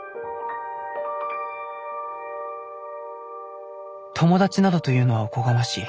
心の声友達などというのはおこがましい。